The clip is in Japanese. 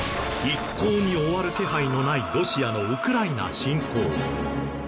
一向に終わる気配のないロシアのウクライナ侵攻。